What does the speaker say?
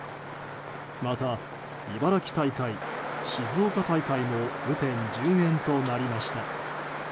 また茨城大会、静岡大会も雨天順延となりました。